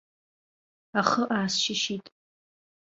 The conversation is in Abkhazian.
Ахы аасшьышьит.